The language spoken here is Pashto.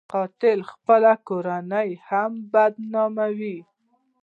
قاتل خپله کورنۍ هم بدناموي